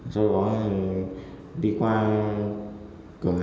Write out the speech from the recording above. xong rồi đi sang quán điện thoại ở phố mới linh xá